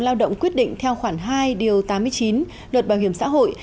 lao động quyết định theo khoảng hai tám mươi chín luật bảo hiểm xã hội